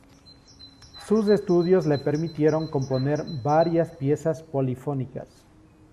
Sus estudios le permitieron componer varias piezas polifónicas.